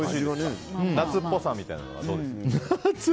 夏っぽさみたいなのはどうですか？